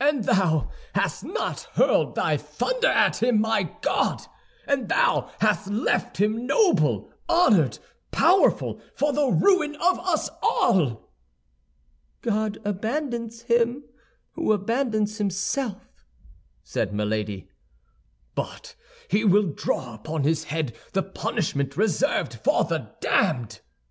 "And thou hast not hurled thy thunder at him, my God! And thou hast left him noble, honored, powerful, for the ruin of us all!" "God abandons him who abandons himself," said Milady. "But he will draw upon his head the punishment reserved for the damned!"